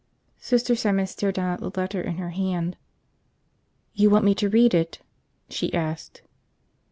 Sister Simon stared down at the letter in her hand. "You want me to read it?" she asked.